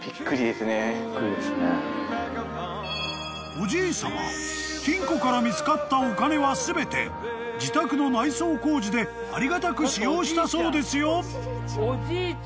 ［おじいさま金庫から見つかったお金は全て自宅の内装工事でありがたく使用したそうですよ］